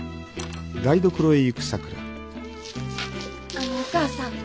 あのお母さん。